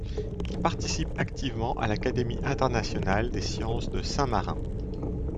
Il participe activement à l'académie internationale des sciences de Saint-Marin.